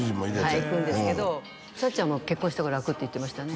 はい行くんですけどさっちゃんも結婚した方が楽って言ってましたね